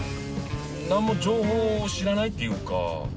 何も情報を知らないっていうか。